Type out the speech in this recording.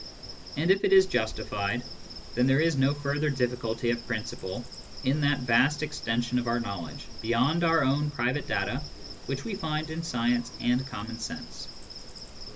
And if it is justified, then there is no further difficulty of principle in that vast extension of our knowledge, beyond our own private data, which we find in science and common sense.